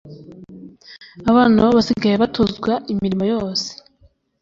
Abana na bo basigaye batozwa imirimo yose